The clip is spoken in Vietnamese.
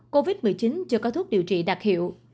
covid một mươi chín chưa có thuốc điều trị đặc hiệu